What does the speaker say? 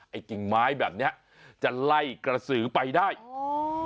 กิ่งไม้แบบเนี้ยจะไล่กระสือไปได้อ๋อ